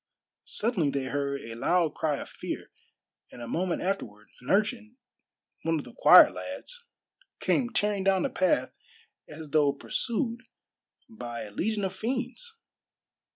Suddenly they heard a loud cry of fear, and a moment afterward an urchin one of the choir lads came tearing down the path as though pursued by a legion of fiends.